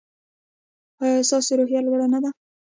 ایا ستاسو روحیه لوړه نه ده؟